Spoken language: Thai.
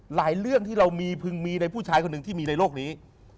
เรื่องที่เรามีพึงมีในผู้ชายคนหนึ่งที่มีในโลกนี้